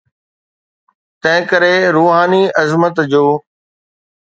تنهنڪري روحاني عظمت جو.